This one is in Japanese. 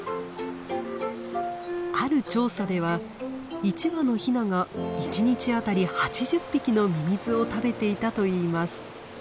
ある調査では１羽のヒナが１日あたり８０匹のミミズを食べていたといいます。